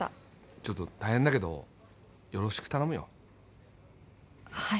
ちょっと大変だけどよろしく頼むよはい